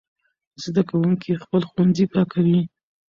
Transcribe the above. زده کوونکي خپل ښوونځي پاکوي.